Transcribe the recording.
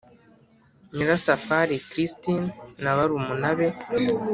Nyirasafari christine na barumuna be